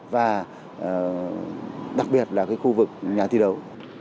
và đặc biệt là khu vực nhà thi đấu